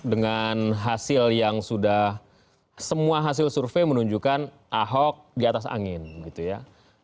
dengan hasil yang sudah semua hasil survei menunjukkan ahok di atas angin gitu ya